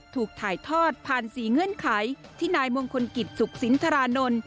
ถูกถ่ายทอดผ่าน๔เงื่อนไขที่นายมงคลกิจสุขสินทรานนท์